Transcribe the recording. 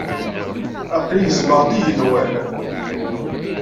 Aqli gezmeɣ-d igenwan.